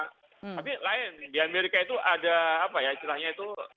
tapi lain di amerika itu ada apa ya istilahnya itu